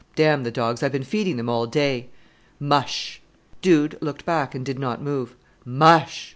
"Damn the dogs; I've been feeding them all day." "Mush!" Dude looked back and did not move. "Mush!"